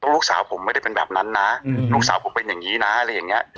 ลูกสาวผมไม่ได้เป็นแบบนั้นนะลูกสาวผมเป็นอย่างนี้นะอะไรอย่างนี้